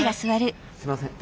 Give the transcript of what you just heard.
すいません。